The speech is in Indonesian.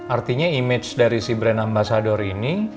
artinya image dari si brand ambasador ini